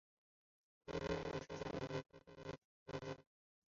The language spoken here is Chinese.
恒星月是指月球对于一颗恒星来说的自转周期。